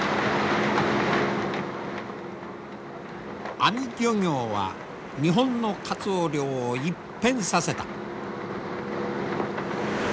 網漁業は日本のカツオ漁を一変させた。